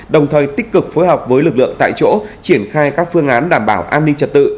đồng thời tích cực phối hợp với lực lượng tại chỗ triển khai các phương án đảm bảo an ninh trật tự